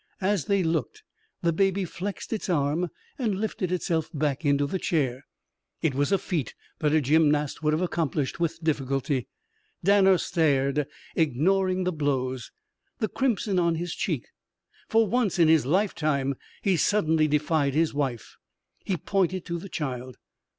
As they looked, the baby flexed its arm and lifted itself back into the chair. It was a feat that a gymnast would have accomplished with difficulty. Danner stared, ignoring the blows, the crimson on his cheek. For once in his lifetime, he suddenly defied his wife. He pointed to the child.